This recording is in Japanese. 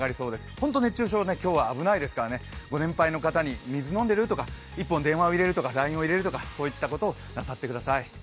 本当に熱中症、今日は危ないですからご年配の方に水飲んでるとか、１本電話を入れるとかＬＩＮＥを入れるとか、そういったことをしてください。